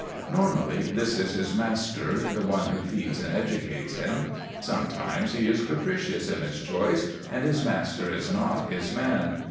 Normally, this is his master, the one who feeds and educates him; sometimes he is capricious in his choice and his master is not his man.